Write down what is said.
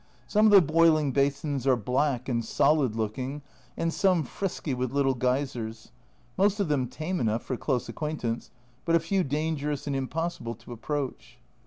Some of the A Journal from Japan 27 boiling basins are black and solid looking, and some frisky with little geysers most of them tame enough for close acquaintance, but a few dangerous and impossible to approach.